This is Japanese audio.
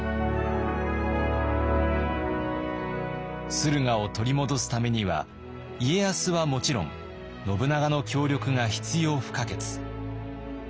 駿河を取り戻すためには家康はもちろん信長の協力が必要不可欠。